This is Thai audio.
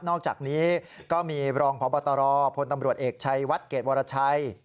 อกจากนี้ก็มีรองพบตรพลตำรวจเอกชัยวัดเกรดวรชัย